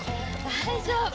大丈夫！